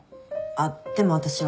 あっでも私は